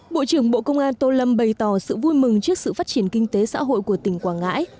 bộ trưởng bộ công an tô lâm bày tỏ sự vui mừng trước sự phát triển kinh tế xã hội của tỉnh quảng ngãi